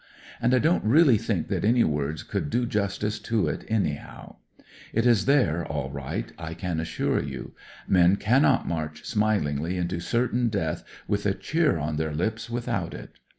And I don't really think that any words could do justice to it, anyhow. It is there, all right, I can assure you. Men cannot march smilingly into certain death with a cheer on their lips without it.